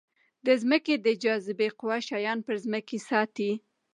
د ځمکې د جاذبې قوه شیان پر ځمکې ساتي.